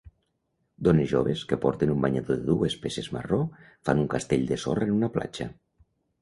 Dones joves que porten un banyador de dues peces marró fan un castell de sorra en una platja.